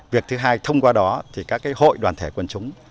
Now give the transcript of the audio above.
việc thứ hai thông qua đó thì các hội đoàn thể quân chúng